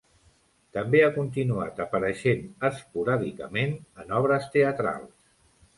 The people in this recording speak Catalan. També ha continuat apareixent esporàdicament en obres teatrals.